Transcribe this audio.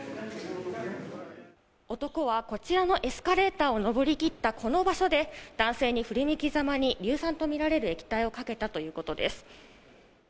男はこちらのエスカレーターを上りきったこの場所で、男性に振り向きざまに、硫酸と見られる液体をかけたということです。